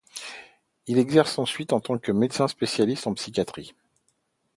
Il exerce ensuite en tant que médecin spécialiste en psychiatrie.